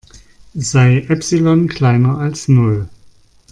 Sei Epsilon kleiner als Null.